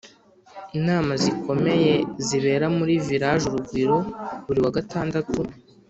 inama zikomeye zibera muri village urugwiro buri wa gatandatu